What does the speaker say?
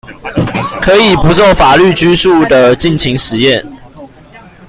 可以不受法律拘束地盡情實驗